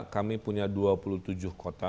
kami punya dua puluh tujuh kota